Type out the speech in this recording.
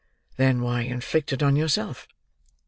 "Then why inflict it on yourself?"